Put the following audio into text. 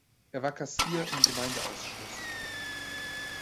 Er war Kassier im Gemeindeausschuss.